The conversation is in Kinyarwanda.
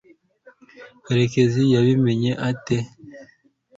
karekezi yabimenye ate